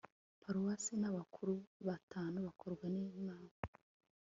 Paruwase n abakuru batanu batorwa n inama